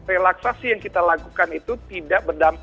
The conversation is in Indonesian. agar relaksasi yang kita lakukan itu tidak akan terlalu banyak